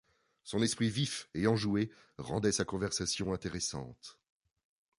Son esprit vif et enjoué rendait sa conversation intéressante.